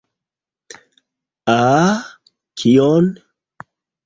Ah? Kion?